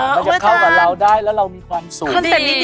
เราจะเข้ากับเราได้แล้วเรามีความสุข